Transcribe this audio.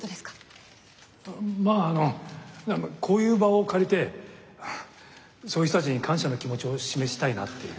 まぁあのこういう場を借りてそういう人たちに感謝の気持ちを示したいなっていう。